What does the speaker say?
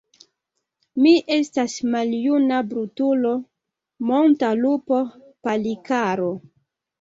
Mi estas maljuna brutulo, monta lupo, Palikaro!